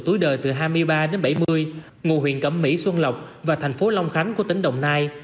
tuổi đời từ hai mươi ba đến bảy mươi ngôi huyện cẩm mỹ xuân lộc và thành phố long khánh của tỉnh đồng nai